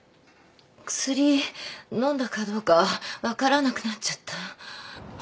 薬飲んだかどうか分からなくなっちゃった。